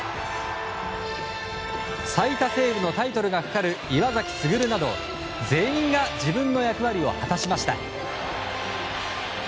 最多セーブのタイトルがかかる岩崎優など全員が自分の役割を果たしました。